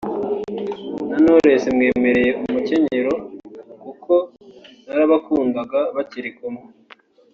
na Knowless mwemereye umukenyero kuko narabakundaga bakiri kumwe